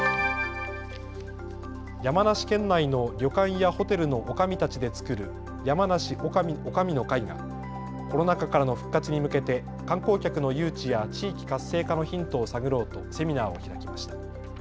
山梨県内の旅館やホテルのおかみたちで作る、やまなし女将の会がコロナ禍からの復活に向けて観光客の誘致や地域活性化のヒントを探ろうとセミナーを開きました。